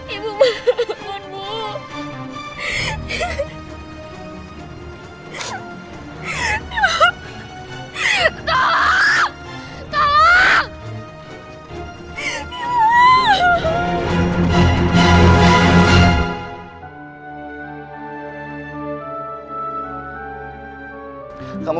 ibu bangun bu